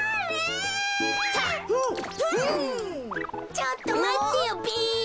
ちょっとまってよべ。